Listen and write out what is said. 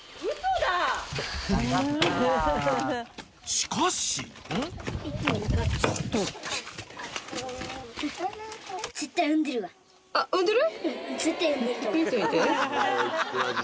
［しかし］産んでる？